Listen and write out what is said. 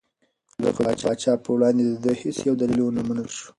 خو د پاچا په وړاندې د ده هېڅ یو دلیل ونه منل شو.